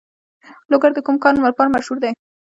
لوګر د کوم کان لپاره مشهور دی؟